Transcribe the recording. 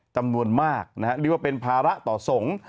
จำนวนมากนะฮะเรียกว่าเป็นภาระต่อสงฆ์